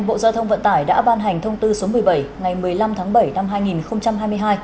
bộ giao thông vận tải đã ban hành thông tư số một mươi bảy ngày một mươi năm tháng bảy năm hai nghìn hai mươi hai